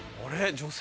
女性？